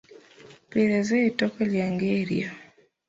Mpeereza ettooke lyange eryo.